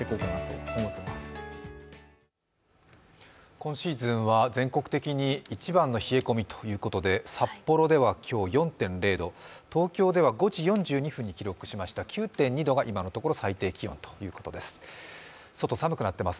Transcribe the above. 今シーズンは全国的に一番の冷え込みということで札幌では今日４．０度東京では５時４２分に記録した９．２度が今のところ最低気温となっています。